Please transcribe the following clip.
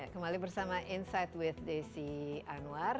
kembali bersama insight with desi anwar